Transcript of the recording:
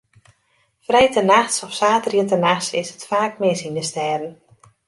Freedtenachts of saterdeitenachts is it faak mis yn de stêden.